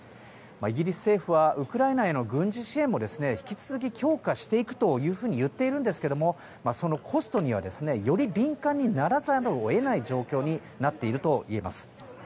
イギリス政府はウクライナへの軍事支援も引き続き強化していくと言っているんですがそのコストにはより敏感にならざるを得ない状況になっているといえます。